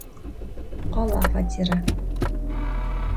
Ҡала фатиры.